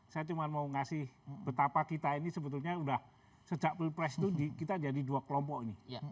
saya cuma mau ngasih betapa kita ini sebetulnya sudah sejak pilpres itu kita jadi dua kelompok ini